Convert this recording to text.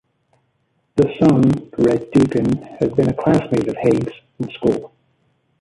The son, Red Dugan, had been a classmate of Hague's in school.